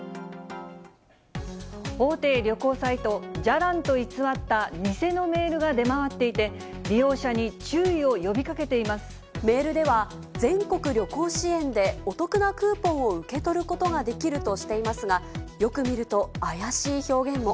大手旅行サイト、じゃらんと偽った偽のメールが出回っていて、利用者に注意を呼びメールでは、全国旅行支援でお得なクーポンを受け取ることができるとしていますが、よく見ると、怪しい表現も。